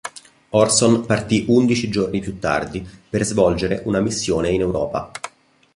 Orson partì undici giorni più tardi per svolgere una missione in Europa.